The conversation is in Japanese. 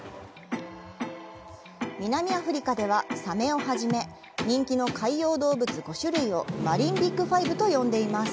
南アフリカでは、サメをはじめ人気の海洋動物５種類を「マリンビッグ５」と呼んでいます。